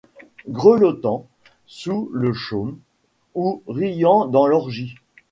Grelottant sous le chaume ou riant dans l'orgie ;